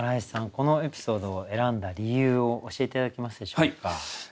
このエピソードを選んだ理由を教えて頂けますでしょうか。